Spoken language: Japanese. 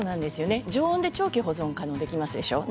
常温で長期保存できますでしょう。